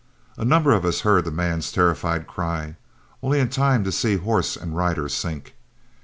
A number of us heard the man's terrified cry, only in time to see horse and rider sink.